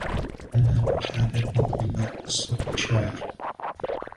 أنا بحاجة إلى قَصِة شَعر.